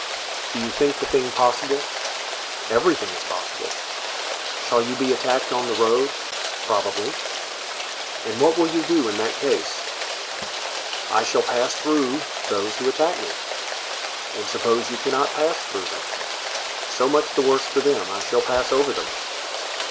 "Do you think the thing possible?" "Everything is possible." "Shall you be attacked on the road?" "Probably." "And what will you do in that case?" "I shall pass through those who attack me." "And suppose you cannot pass through them?" "So much the worse for them; I shall pass over them."